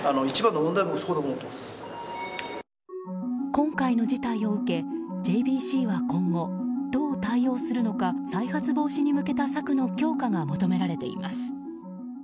今回の事態を受けＪＢＣは今後どう対応するのか再発防止に向けた策の強化が求められています。